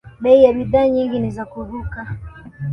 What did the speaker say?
Bei ya bidhaa nyingi ni za kuruka